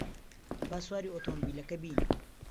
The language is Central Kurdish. با سواری ئۆتۆمۆبیلەکە بین.